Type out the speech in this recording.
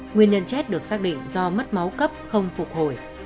nguyên nhân chết được xác định do mất máu cấp không phục hồi